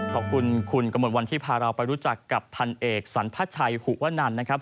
ขอบคุณคุณกระมวลวันที่พาเราไปรู้จักกับพันเอกสรรพชัยหุวนันนะครับ